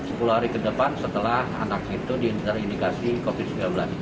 kelari ke depan setelah anak itu terindikasi covid sembilan belas